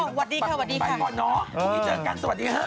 เอ้าวันนี้ค่ะวันนี้เจอกันสวัสดีค่ะ